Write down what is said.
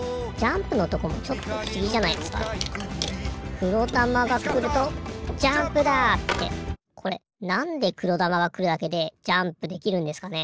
くろだまがくると「ジャンプだ！」ってこれなんでくろだまがくるだけでジャンプできるんですかね？